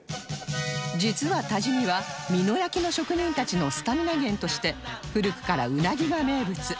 実は多治見は美濃焼の職人たちのスタミナ源として古くからうなぎが名物